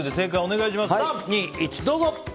３、２、１どうぞ。